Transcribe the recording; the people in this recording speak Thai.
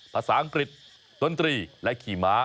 ภาษาอังกฤษดนตรีและขี่ม้า